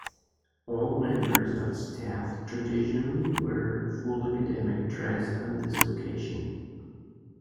All members of Staff traditionally wear full academic dress on this occasion.